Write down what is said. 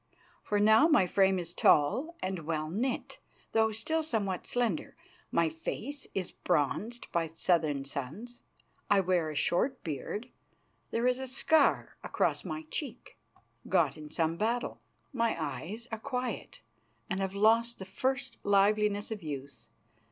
For now my frame is tall and well knit, though still somewhat slender; my face is bronzed by southern suns; I wear a short beard; there is a scar across my cheek, got in some battle; my eyes are quiet, and have lost the first liveliness of youth.